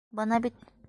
Бына бит.